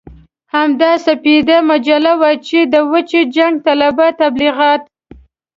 همدا سپېدې مجله وه چې د وچ جنګ طلبه تبليغات.